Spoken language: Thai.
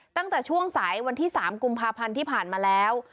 ตั้งแต่ช่วงสายวันที่๓กุมภาพันธ์ที่ผ่านมาแล้ว